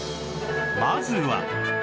まずは